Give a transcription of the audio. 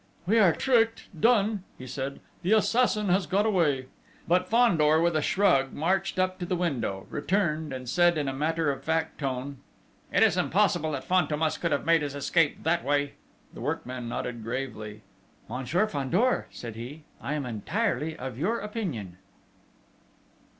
"We are tricked done!" he said. "The assassin has got away!" But Fandor, with a shrug, marched up to the window, returned, and said in a matter of fact tone: "It is impossible that Fantômas could have made his escape that way!" The workman nodded gravely. "Monsieur Fandor," said he, "I am entirely of your opinion."